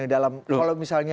dalam kalau misalnya